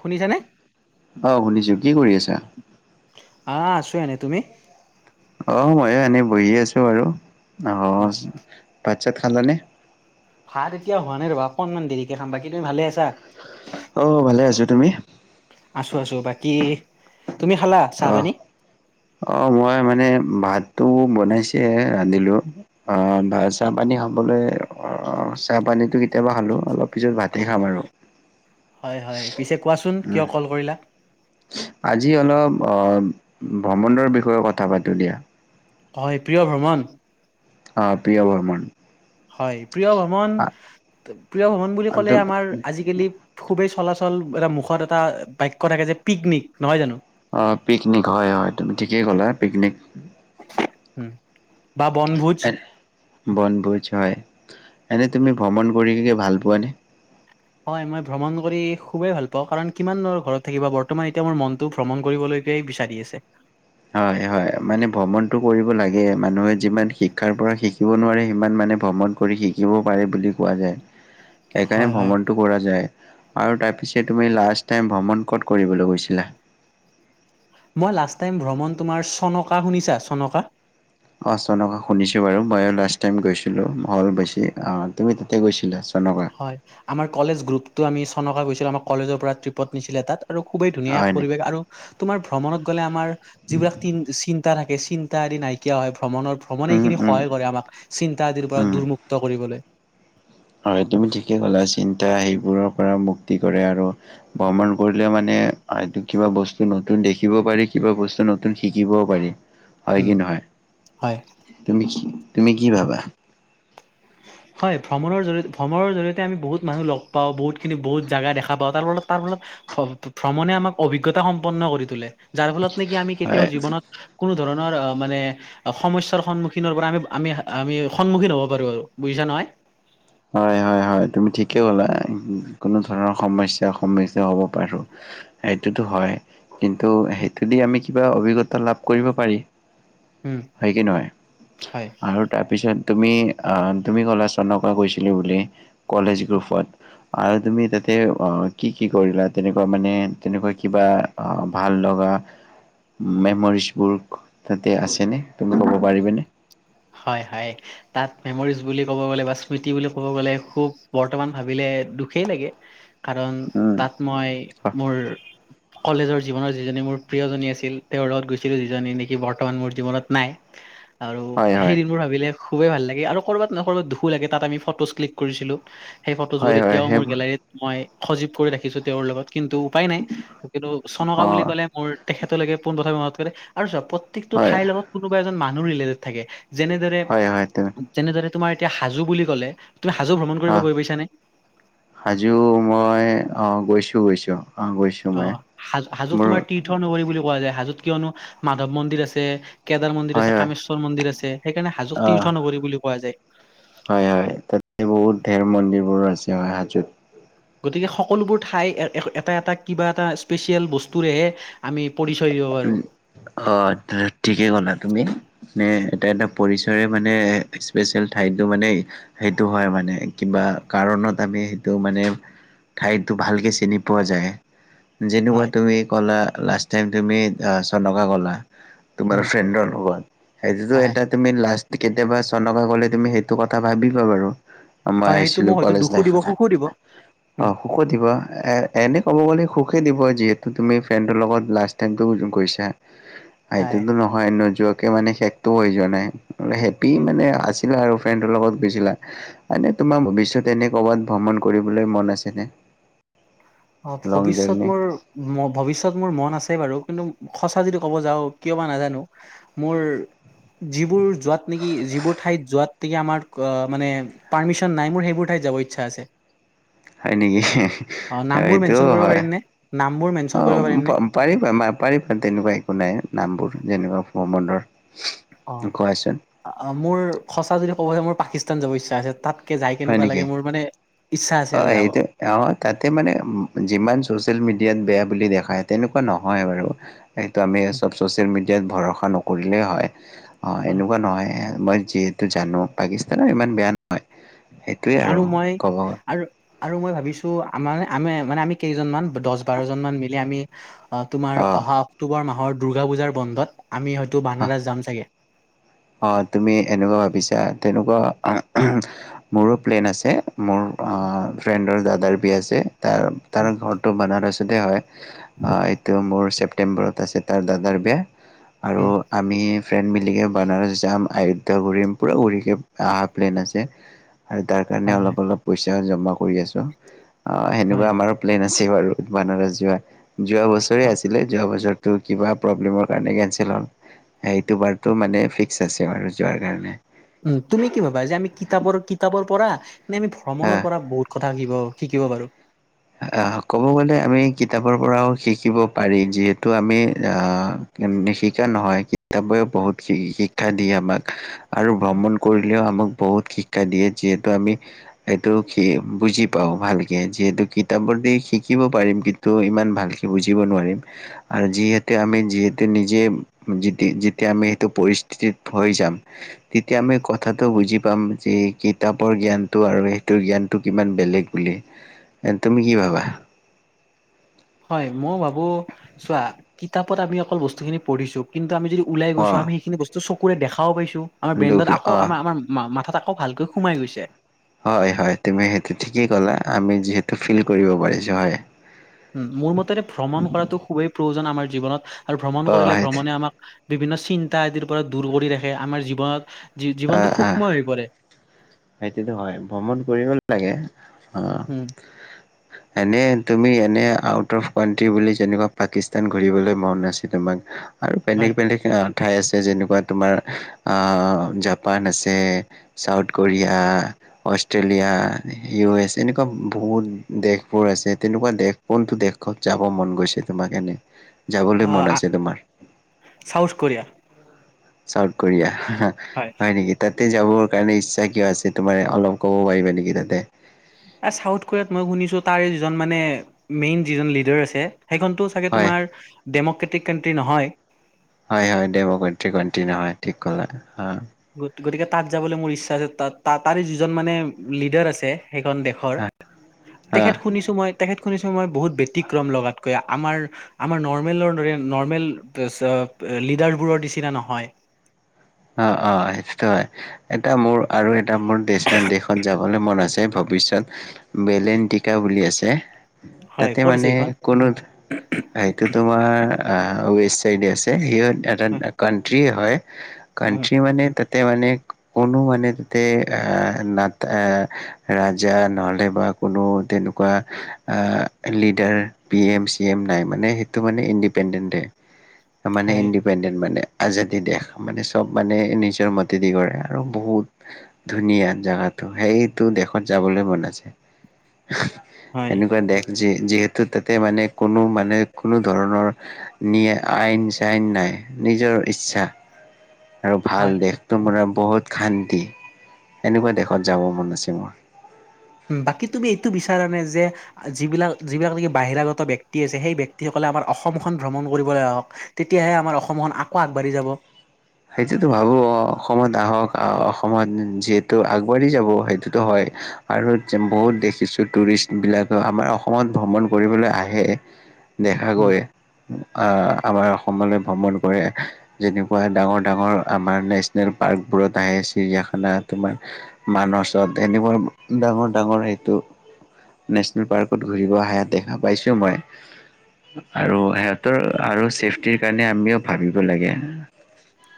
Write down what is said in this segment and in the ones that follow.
শুনিছানে? অ', শুনিছো কি কৰি আছা? আ আছো এনেই, তুমি? অ' ময়ো এনে বহি আছো আৰু। অ অ' চাহ খালানে? ভাত এতিয়া খোৱা নাই ৰ'বা, অকণমান দেৰিকে খাম। বাকি তুমি ভালে আছা? অ' ভালে আছো। তুমি? আছো আছো, বাকি অহ, অ' মই মানে ভাতটো বনাইছেহে, ৰান্ধিলো। আ চাহপানী খাবলে অ' চাহপানীটো কেতিয়াবা খালো। অলপ পিছত ভাতে খাম আৰু! হয়, হয় পিছে কোৱাচোন, উম কিয় কল কৰিলা? আজি অলপ আ ভ্ৰমণৰ বিষয়ে কথা পাতো দিয়া। হয়, প্ৰিয় ভ্ৰমণ অ' প্ৰিয় ভ্ৰমন হয়, প্ৰিয় ভ্ৰমণ, প্ৰিয় ভ্ৰমণ বুলি ক'লে আমাৰ আজি-কালি খুবেই চলাচল চল এটা, মুখত এটা বাক্য থাকে যে পিকনিক নহয় জানো? অঁ, পিকনিক হ'য় হ'য় তুমি ঠিকেই কলা। পিকনিক চে-ত্‌ৰক, উম বা বনভোজ এট্‌ বনভোজ হ'য়। এনেই তুমি ভ্ৰমণ কৰিকিনে ভাল পোৱা নে? হ'য়, মই ভ্ৰমণ কৰি খুবেই ভাল পাওঁ কাৰণ কিমাননো আৰু ঘৰত থাকিবা বৰ্তমান এতিয়া মোৰ মনটো ভ্ৰমণ কৰিবলে এতিয়াই বিচাৰি আছে হ'য়, হ'য় মানে ভ্ৰমণটো কৰিব লাগে। মানুহে যিমান শিক্ষাৰ পৰা শিকিব নোৱাৰে সিমান মানে ভ্ৰমণ কৰি শিকিব পাৰে বুলি কোৱা যায়। সেইকাৰণে হয় হয় ভ্ৰমণটো কৰা যায়। আৰু তাৰপিছে, তুমি লাষ্ট টাইম ভ্ৰমণ ক'ত কৰিবলৈ গৈছিলা? মই লাষ্ট টাইম ভ্ৰমণ তোমাৰ, চনকা শুনিছা চনকা? অ, চনকা শুনিছো বাৰু, মই লাষ্ট টাইম গৈছিলো হ'ল বেছি অ তুমি তেতিয়া গৈছিলা চোন? হয়, আমাৰ কলেজ গ্ৰুপতো আমি চনকা গৈছিলো, আমাৰ কলেজৰ পৰা ট্ৰিপত নিছিলে তাত আৰু খুবেই ধুনীয়া হয়নে? পৰিৱেশ আৰু তোমাৰ ভ্ৰমণত গ'লে আমাৰ যিবিলাক চিন্তা থাকে চিন্তা আদি নাইকিয়া হয়, ভ্ৰমণৰ-ভ্ৰমণে উম, এইখিনি উম, সহায় কৰে আমাক, চিন্তা আদিৰ পৰা উম, দুৰ্মুক্ত কৰিবলৈ। হয়, তুমি ঠিকে ক'লা, চিন্তা সেইবোৰৰ পৰা মুক্তি কৰে আৰু ভ্ৰমণ কৰিলে মানে মানে, এইটো কিবা বস্তু নতুন দেখিব পাৰি, কিবা বস্তু নতুন শিকিবও পাৰি। হয় উম কি নহয়? হয় তুমি কি, তুমি কি ভাবা? [inaudible] হয়, ভ্ৰমণৰ জৰিয়তে-ভ্ৰমণৰ জৰিয়তে আমি বহুত মানুহ লগ পাওঁ, বহুতখিনি, বহুত জেগা দেখা পাওঁ, তাৰ ফলত-তাৰ ফলত ভ্ৰমণে আমাক অভিজ্ঞতা সম্পন্ন কৰি তোলে, যাৰ ফলত নেকি আমি হয়, কেতিয়াও জীৱনত কোনো ধৰণৰ, অ মানে সমস্যাৰ সন্মুখীনৰ পৰা আমি-আমি-আমি সন্মুখীন হ'ব পাৰো, আৰু বুজিছা নহয়? হয়-হয় হয়, তুমি ঠিকেই ক'লা, কোনো ধৰণৰ সমস্যাৰ সন্মুখীন হ'ব পাৰোঁ। সেইটোতো হয়, কিন্তু সেইটো দি আমি কিবা অভিজ্ঞতা লাভ কৰিব পাৰি? উম, হয় কি নহয়? হয়। আৰু তাৰপিছত তুমি-তুমি কলেজ চনৰ পৰা কৈছিলি বুলি, কলেজ গ্ৰুপত আৰু তুমি তাতে কি-কি কৰিলা? তেনেকোৱা মানে তেনেকোৱা কিবা ভাল লগা মেমৰিজবোৰ তাতে আছে নে, তুমি ক'ব পাৰিবা নে? হয়-হয়, তাত মেমৰিজ বুলি ক'ব গলে বা, স্মৃতি বুলি ক'ব গলে খুব বৰ্তমান ভাবিলে দুখেই লাগে, কাৰণ উম, তাত মই মোৰ কলেজৰ জীৱনৰ যিজনী মোৰ প্ৰিয় জনী আছিল, তেওঁৰ লগত গৈছিলো যিজনী নেকি বৰ্তমান মোৰ জীৱনত নাই। আৰু হয়, সেই হয়, দিনবোৰ ভাবিলে খুবেই ভাল লাগে আৰু কৰবাত-কৰবাত, দুখো লাগে তাত আমি ফটোজ ক্লিক কৰিছিলো। সেই ফটোজবোৰ হয়, হয় এতিয়াও মোৰ সেইবোৰ গেলাৰীত, মই সজীৱ কৰি ৰাখিছোঁ তেওঁৰ লগত। কিন্তু উপায় নাই, কিন্তু চনকা বুলি অ' ক'লে মোৰ তেখেতলৈকে পোনপ্ৰথমে মনত পৰে আৰু চাওঁ প্ৰত্যেকটো হয় ঠাইৰ লগত কোনোবা এজন মানুহ ৰিলেটেড থাকে, হয় হয় তুমি যেনেদৰে-যেনেদৰে তোমাৰ এতিয়া হাজো বুলি ক'লে তুমি হাজো ভ্ৰমণ কৰিব অহ, গৈ পাইছানে? হাজো মই অহ, গৈছো-গৈছো। অ, হাজ-হাজোত তোমাৰ তীৰ্থ নগৰী বুলি কোৱা যায়। হাজোত কিয়নো মাধৱ মন্দিৰ আছে। কেদাৰ মন্দিৰ হয় আছে, হয় কামেশ্বৰ মন্দিৰ আছে, সেইকাৰণে হাজোক তীৰ্থ নগৰী বুলি কোৱা যায়। হয়-হয়, তাতে বহুত ঢেৰ মন্দিৰবোৰ আছে, হাজোত গতিকে সকলোবোৰ ঠাই, এটা-এটা কিবা এটা স্পেচিয়েল বস্তুৰেহে আমি পৰিচয় দিব পাৰো। অ, ঠিকেই ক'লা। তুমি নে এটা-এটা, পৰিচয় মানে স্পেচিয়েল ঠাইতো মানে সেইটো হয়, মানে মানে, কিবা কাৰণত আমি সেইটো মানে ঠাইতো ভালকে চিনি পোৱা যায়। যেনেকোৱা হয় তুমি ক'লা, লাষ্ট টাইম তুমি চনকা গ'লা। তোমাৰ ফ্ৰেণ্ডৰ অনুবাদ, সেইটো যে হয় এটা তুমি লাষ্ট কেতিয়াবা চনকা গ'লে, তুমি সেইটো কথা ভাবিবা বাৰু আমাৰ হয় সেইটো মোক আহিছিলো, হয়তো কলেজ দুখো দিব লাইফতে। সুখো দিব অ, উম সুখো দিব, এ, এনে ক'ব গ'লে সুখে দিব যিহেতু তুমি ফ্ৰেণ্ডৰ লগত লাষ্ট টাইমটো গৈছা, হয়। এইটোতো নহয় নোযোৱাত সেইটোৱে মানে শেষটো হৈ যোৱা নাই, হেপি মানে আছো আৰু ফ্ৰেণ্ডৰ লগত গৈছিলা, এনে তোমাৰ ভৱিষ্যত, এনে কৰ'বাত ভ্ৰমণ কৰিবলৈ মন আছেনে? অ, লং জাৰ্ণি ভৱিষ্যত মোৰ, ভৱিষ্যত মোৰ মন আছে। আছে বাৰু, কিন্তু সঁচা যদি ক'ব যাওঁ, কিয় বা নাজানো মোৰ যিবোৰ যোৱাত নেকি, যিবোৰ ঠাইত যোৱাত নেকি আমাৰ মানে পাৰ্মিচন নাই মোৰ সেইবোৰ ঠাইত যাব ইচ্ছা আছে। হয় নেকি? অ, নামবোৰ মেনচন এইটোও কৰিব হয়। পাৰিম নে? নামবোৰ অ, মেনচন কৰিব পাৰিম নে? পাৰিবা-পাৰিবা, তেনেকুৱা একো নাই নামবোৰ, যেনেকুৱা ভ্ৰমণৰ অ কোৱাচোন মোৰ সঁচা যদি ক'ব যে মোৰ পাকিস্তান যাব ইচ্ছা আছে তাত যাই হয় কেনেকুৱা নেকি? লাগে মোৰ মানে আছে অ আৰু যাব সেইটো অ তাতে মানে যিমান চচিয়েল মিডিয়াত বেয়া বুলি দেখা তেনেকুৱা নহয় বাৰু সেইটো আমি চব চচিয়েল মিডিয়াত ভৰা নকৰিলে হয় অ এনেকুৱা নহয় মই যিহেতু জানো পাকিস্তানৰ ইমান বেয়া নহয় সেইটোৱে আৰু কব গ আৰু আৰু মই ভাবিছো আমাৰ আমি মানে আমি কেইজনমান দহ বাৰজন মান মিলি আমি তোমাৰ অ', অহা অক্টোবৰ মাহৰ দুৰ্গা পূজাৰ বন্ধত আমি হয়তো অ', বানডাস যাম চাগে অ তুমি এনেকুৱা ভাবিছা তেনেকুৱা মোৰো প্লেন আছে মোৰ ফ্ৰেণ্ডৰ দাদাৰ বিয়া আছে তাৰ তাৰ উম ঘৰটো বনাৰ ছতে হয় এইটো মোৰ চেফ মাতিম বাৰু তাৰ পাছত দাদা বিয়া আৰু উম, আমি ফ্ৰেন্ড মিলাই বানাৰস যাম আয়োধা ঘূৰিম পুৰা ঘৰিকৈ অহা প্লেন আছে আৰু তাৰ কাৰণে হয় অলপ হয় অলপ পইচা জমা কৰি আছো অ সেনেকুৱা হয়। আমাৰো প্লেন আছে। আছে বাৰু বানাৰস যোৱা যোৱা বছৰে আছিলে যোৱা বছৰ ত কিবা প্ৰব্লেমৰ কাৰণে কেচেল হ'ল সেইটো বাৰো মানে ফিক্স আছে আৰু যোৱাৰ কাৰণে উম তুমি কি ভাবা যে আমি কিতাপৰ কিতাপৰ পৰা নে আমি হা ভ্ৰমণৰ পৰা বহুত কথা শাকিব শিকিব বাৰু আহ ক'ব গ'লে আমি কিতাপৰ পৰাও শিকিব পাৰি যিহেতু আমি আহ শিকা নহয় কিতাপেও বহুত শিক্ষা দিয়ে আমাক আৰু ভ্ৰমণ কৰিলেও আক আক বহুত শিক্ষা দিয়ে যিহেতু আমি এইটো বুজি পাওঁ ভালকে যিহেতু কিতাপ প শিকিব পাৰিম কিন্তু ইমান ভালকে বুজিব নোৱাৰিম আৰু যিহেতু আমি যিহেতু নিজে যেতিয়া আমি এইটো পৰিস্থিতিত হৈ যাম তেতিয়া আমি কথাটো বুজ বুজি পাম যি কিতাপৰ জ্ঞানটো আৰু সেইটোৰ জ্ঞানটো কিমান বেলেগ বুলি তুমি কি ভাবা হয় মই ভাবো চোৱা কিতাপত আমি অকল বস্তুখিনি পঢ়িছো কিন্তু আমি যদি ওলাই গৈছো অ', আম সখিনি বস্তু চকুৰে দেখাও পাইছো আমাৰ দুখ ব্ৰেডত আকৌ আম অ', আমাৰ মা আকৌ ভালকৈ সোমাই গৈছে হয় হয় তুমি সেইটো ঠিকেই ক'লা আমি যিহেতু ফিল কৰিব পাৰিছ হয় উ মোৰ মতেৰে ভ্ৰমণ কৰাটো খুবেই প্ৰয়োজন আমাৰ জীৱনত আৰু ভ্ৰমণ অ', কৰিলে সেইটো ভ্ৰমণে আমাক বিভিন্ন চিন্তা আদিৰ পৰা দূৰ কৰি ৰাখে আমাৰ জীৱনত জীৱনটো সূক্ষ্ম হৈ পৰে সেইটো হয় ভ্ৰমণ কৰিব লাগে অঁ উম এনে তুমি এনে আউট অফ কানট্ৰি বুলি যেনেকুৱা পাকিস্তান ঘূৰিবলৈ মন ন আছে তোমাক আৰু বেলেগ হয় বেলেগ ঠাই আছে যেনেকুৱা তোমাৰ আহ জাপান আছে South Korea Australia U S এনেকুৱা বহুত দেশবোৰ আছে তেনেকুৱা দেশ কোনটো দেশত যাব মন গৈছে তোমাৰ এনে যাবলৈ মন আহ আছে তোমাৰ? চাউথ কোৰিয়া চাউথ কোৰিয়া, হয় নেকি? তাত তাতে যাবৰ কাৰণে ইচ্ছা কিয় আছে তোমাৰ? অলপ ক'ব পাৰিবা নেকি? তাতে এ চাউথ কোৰিয়াত মই শুনিছো তাৰে যিজন মানে মেইন যিজন লিডাৰ আছে। সেইখনতো চাগে হয় তোমাৰ ডেম'ক্ৰেটিক কাণ্ট্ৰি নহয়। হয়, হয়। ডেম্ৰকাটি কাউন্ট্ৰী নহী, ঠিক কলা তুমি। গতিকে তাত যাবলে মোৰ ইচ্ছা আছে। তাত ত তাৰে যিজন মানে লিডাৰ আছে সেইখন দেশৰ। হা হা তেখেত শুনিছো মই, তেখেত শুনিছো মই বহুত ব্যতিক্ৰম লগাতকৈ। আমাৰ আমাৰ নৰ্মেলৰ দৰে নৰ্মেল লিডাৰবোৰৰ নিচিনা নহয়। অ-অ সেইটো হয়। এটা মোৰ আৰু এটা মোৰ দেচ দেশত যাব বলে মন আছে ভবিচ্চত। বেলেনটিকা বুলি আছে হয় তাতে ক'ত আছে মানে এইখন কোনো এইটো তোমাৰ আহ ৱেষ্ট চাইডে আছে। সেইখন এখন হয় কানট্ৰিয়ে হয়। উম, কানট্ৰি মানে তা তাতে মানে কোনো মানে তাতে অ না ৰাজা নহ'লে বা অকণো তেনেকুৱা অহ leader B M C M নাই মানে। সেইটো মানে ইন [unintelligible] মানে হয় ইণ্ডিপেণ্ডেন্ট। মানে আজাদী দেশ। মানে চব মানে নিজৰ মতেদি কৰে আৰু বহুত, ধুনীয়া জাগাটো সেইটো দেশত যাবলৈ মন আছে। হয় এনেকুৱা দেশ যে যিহেতু তাতে মানে কোনো মানে কোনো ধৰণৰ, নিয় আইন চাইন নাই। নিজৰ ইচ্ছা আৰু ভাল হয়। দেশ তোমৰা বহুত শান্তি। এনেকুৱা দেশত যাব মন আছে মোৰ। বাকী তুমি এইটো বিচাৰানে যে, যিবিলাক যিবিলাক নেকি বাহিৰাগত ব্যক্তি আছে সেই ব্যক্তিসকল লে আমাৰ অসমখন ভ্ৰমণ কৰিবলে আহক, তেতিয়াহে আমাৰ অসমখন আকৌ আগবাঢ়ি যাব। সেইটোতো ভাবো। অসমত আহক আহ অসমত যিহেতু আগবাঢ়ি যাব, সেইটোতো হয়। আৰু বহুত দেখিছো টুৰিষ্ট বিলাক আমাৰ অসমত ভ্ৰমণ কৰিবলৈ আহে। দেখা গৈ আহ আমাৰ অসমলৈ ভ্ৰমণ কৰে যেনেকুৱা ডাঙৰ ডাঙৰ আমাৰ নেচনেল পাৰ্ক বোৰত আহে, চিৰিয়াখানা, তোমাৰ মানচত এনেবোৰ ডাঙৰ-ডাঙৰ সেইটো। নেচনেল পাৰ্কত ঘূৰিব আহে, দেখা পাইছো মই। আৰু সিহঁতৰ আৰু ছেফটিৰ কাৰণে আমিও ভাবিব লাগে।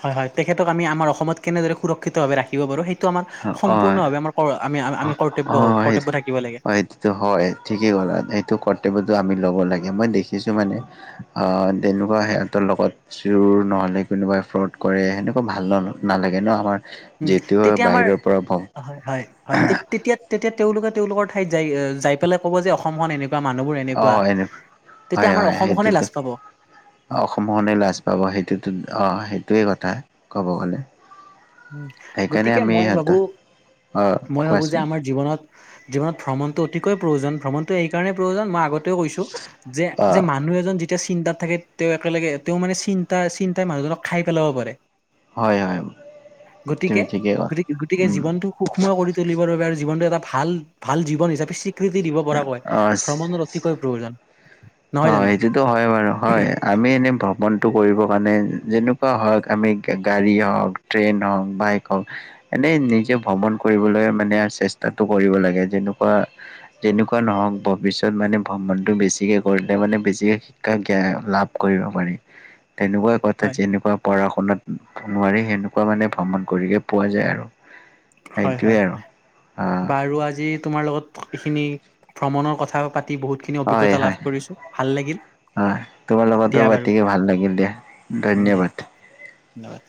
হয়-হয়, তেখেতক আমি আমাৰ অসমত কেনেদৰে সুৰক্ষিতভাৱে ৰাখিব পাৰো সেই টো আমাৰ অ' অ' সম্পূৰ্ণভাৱে আমাৰ আমি আমি কৰ্তব্য-কৰ্তব্য থাকিব লাগে। এইটো কৰ্তব্য আমি ল'ব লাগে। মই দেখিছো মানে অ তেনেকুৱা সিহঁতৰ লগত জোৰ নহলে কোনোবাই ফ্ৰড কৰে, সেনেকুৱা ভাল ন নালাগে ন আমাৰ। উম যিহেতু তেতিয়া আমাৰ, বাহিৰৰ পৰা ভ হয়-হয়-হয় তেতিয়া তেতিয়া তেওঁলোকে তেওঁলোকৰ ঠাইত যাই যাই পেলাই ক'ব যে অসমখন এনেকু অ, এনে, আমাৰ হয়-হয় অসমখনে সেইটোতো লাজ পাব অসমখনে লাজ পাব সেইটোটো, অ সেইটোৱে কথা ক'ব গ'লে। সেইকাৰণে গতিকে আমি মই ভাবো, সিহঁতৰ অ মই ভাবো যে কোৱাচোন আমাৰ জীৱনত জীৱনত ভ্ৰমণটো অতিকৈ প্ৰয়োজন। ভ্ৰমণটো এই কাৰণেই প্ৰয়োজন মই আগত কৈছো অ যে মানুহ এজন যি যেতিয়া চিন্তাত থাকে তেওঁ একেলগে তেওঁ মানে চিন্তা চিন্তাই মানুহজনক খাই পেলাব পাৰে। হয়, হয়। তুমি গতিকে ঠিকেই ক'লা গে গতিকে উম জীৱনটো সুক্ষ্ম কৰি তুলিবৰ বাবে আৰু জীৱনটো এটা ভাল, ভাল জীৱন হিচাপে স্বীকৃতি দিব পৰাকৈ অ ভ্ৰমণৰ অতিকৈ প্ৰয়োজন। অ, নহয় জানো? সেইটোতো হয় বাৰু। হয় আমি এনে মনটো কৰিবৰ কাৰণে যেনেকুৱা হওক আমি গাড়ী হওক, ট্ৰেইন হওক বাইক হওক এনেই নিজে ভ্ৰমণ কৰিবলৈ মানে চেষ্টাটো কৰিব লাগে। যেনেকুৱা তেনেকুৱা নহওক ভৱিষ্যত মানে ভ্ৰমণতটো বেছিকে কৰিলে মানে বেছিকে শিক্ষা জ্ঞান লাভ কৰিব পাৰি, তেনেকুৱা কথা হয় যেনেকুৱা। পঢ়া শুনাত নোৱাৰি সেনেকুৱা মানে ভ্ৰমণ কৰিহে পোৱা যায় আৰু। হয় সেইটোৱে হয়, আৰু অ বাৰু আজি। তোমাৰ লগত এইখিনি ভ্ৰমণৰ কথা পাতি বহুতখিনি হয় অভিজ্ঞতা হয় লাভ কৰিছো ভাল লাগিল। হয় তোমাৰ লগতো দিয়া বাৰু বতিকৈ ভাল লাগিল দিয়া উম, দিয়া ধন্যবাদ। ধন্যবাদ।